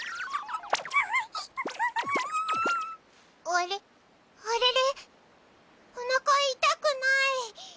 おなか痛くない。